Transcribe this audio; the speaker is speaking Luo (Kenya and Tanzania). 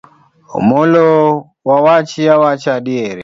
Omolo wa wachi awacha adieri.